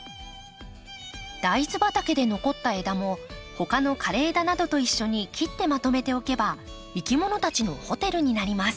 大豆畑で残った枝も他の枯れ枝などと一緒に切ってまとめておけばいきものたちのホテルになります。